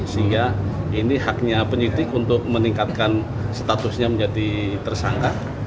sehingga ini haknya penyidik untuk meningkatkan statusnya menjadi tersangka